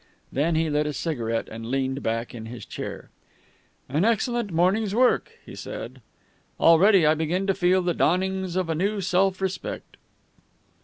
Then he lit a cigarette, and leaned back in his chair. "An excellent morning's work," he said. "Already I begin to feel the dawnings of a new self respect."